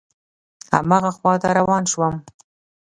هماغه خواته روان شوم.